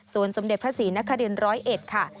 ส่วนสมเด็จพระศรีณคดิลร้อยเอ็ดค่ะ